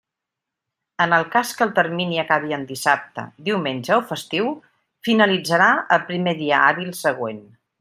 En el cas que el termini acabi en dissabte, diumenge o festiu, finalitzarà el primer dia hàbil següent.